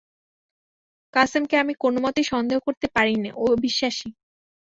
কাসেমকে আমি কোনোমতেই সন্দেহ করতে পারি নে, ও বিশ্বাসী।